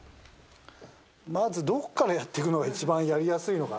まずどっからやっていくのが一番やりやすいのかな。